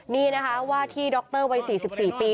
นี่นะคะว่าที่ด็อกเตอร์วัย๔๔ปี